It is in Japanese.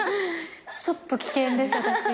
ちょっと危険です私今。